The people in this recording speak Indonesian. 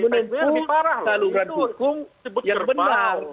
menempuh saluran hukum yang benar